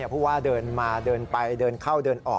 เพราะว่าเดินมาเดินไปเดินเข้าเดินออก